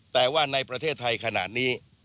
แต่ว่าในประเทศไทยขนาดนี้